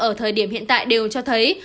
ở thời điểm hiện tại đều cho thấy